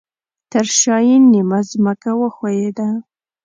ترشاه یې نیمه ځمکه وښویده